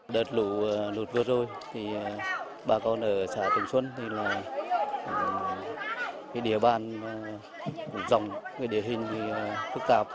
đợt lũ lụt vừa qua bà con ở xã trường xuân địa bàn dòng địa hình phức tạp